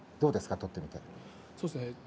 取ってみて。